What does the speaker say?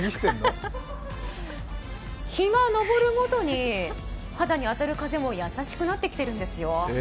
日が昇るごとに肌に当たる風も優しくなってきているんですよ。